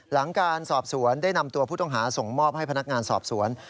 หลังการสอบสวนได้นำตัวผู้ต้องหาส่งมอบให้พนักงานสอบสวน